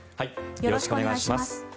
よろしくお願いします。